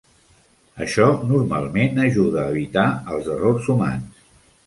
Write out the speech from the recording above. Això normalment ajuda a evitar els errors humans.